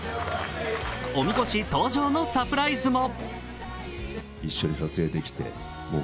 おみこし登場のサプライズも。